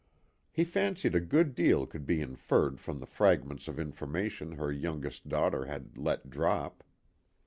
He fancied a good deal could be inferred from the fragments of information her youngest daughter had let drop.